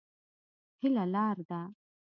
هيله لار ده.